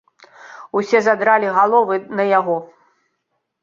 Усе задралі галовы на яго.